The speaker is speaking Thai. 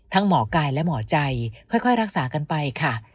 หมอกายและหมอใจค่อยรักษากันไปค่ะ